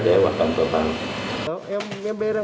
để hoạt động tội phạm